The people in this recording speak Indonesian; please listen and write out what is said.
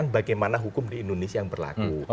bagaimana hukum di indonesia yang berlaku